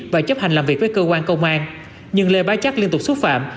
và chấp hành làm việc với cơ quan công an nhưng lê bá chắc liên tục xúc phạm